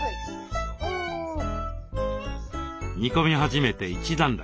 煮込み始めて一段落。